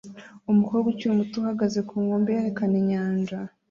Umukobwa ukiri muto ahagaze ku nkombe yerekana inyanja